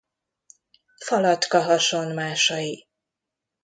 Falatka hasonmásai.